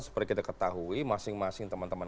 seperti kita ketahui masing masing teman teman